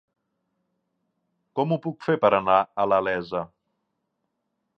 Com ho puc fer per anar a la Iessa?